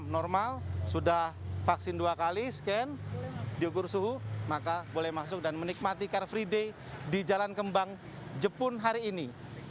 normal sudah vaksin dua kali scan diukur suhu maka boleh masuk dan menikmati car free day di jalan kembang jepun hari ini